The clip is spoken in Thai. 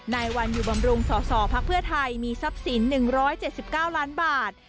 นายวันอยู่บำรุงสสพักเพื่อไทยมีทรัพย์สิน๑๗๙ล้านบาท